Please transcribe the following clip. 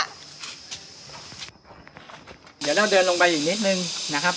เดี๋ยวเราเดินลงไปอีกนิดนึงนะครับ